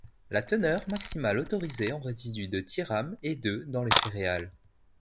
La teneur maximale autorisée en résidus de thirame est de dans les céréales.